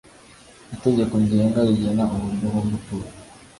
Itegeko Ngenga rigena uburyo bwo gutura